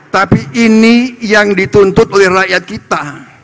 tapi ini yang dituntut oleh rakyat kita